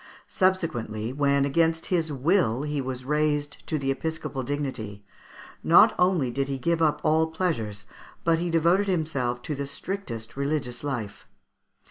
Subsequently, when against his will he was raised to the episcopal dignity, not only did he give up all pleasures, but he devoted himself to the strictest religious life.